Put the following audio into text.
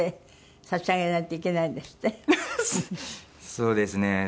そうですね。